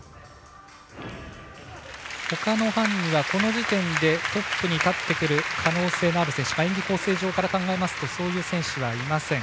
ほかの班にはこの時点でトップに立ってくる可能性のある選手演技構成上から考えますとそういう選手はいません。